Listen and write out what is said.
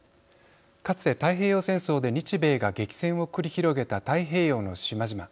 かつて太平洋戦争で日米が激戦を繰り広げた太平洋の島々。